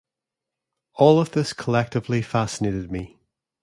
All of this collectively fascinated me.